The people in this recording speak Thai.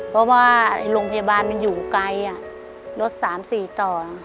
เพราะว่าโรงพยาบาลมันอยู่ไกลรถ๓๔ต่อนะ